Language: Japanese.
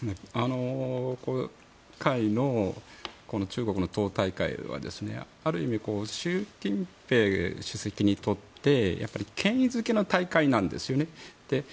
今回の中国の党大会はある意味、習近平主席にとって権威付けの大会なんですよね。